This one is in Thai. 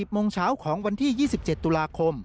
โมงเช้าของวันที่๒๗ตุลาคม